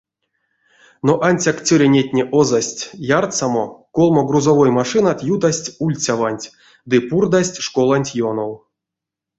Но ансяк цёрынетне озасть ярсамо, колмо грузовой машинат ютасть ульцяванть ды пурдасть школанть ёнов.